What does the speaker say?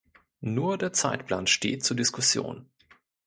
Nur der Zeitplan steht zur Diskussion.